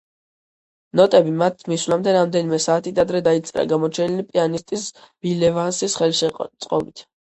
ნოტები მათ მისვლამდე რამდენიმე საათით ადრე დაიწერა გამოჩენილი პიანისტის ბილ ევანსის ხელშეწყობით.